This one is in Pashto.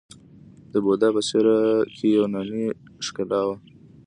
د بودا په څیره کې یوناني ښکلا وه